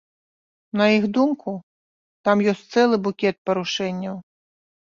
На іх думку, там ёсць цэлы букет парушэнняў.